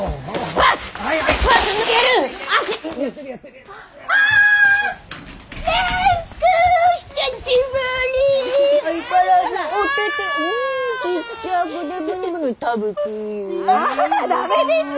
ダメです。